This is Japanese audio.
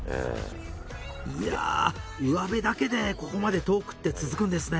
いやうわべだけでここまでトークって続くんですね